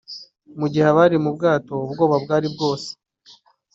Mu gihe abari mu bwato ubwoba bwari bwose